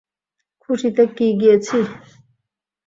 খুশি তে কি গিয়েছি?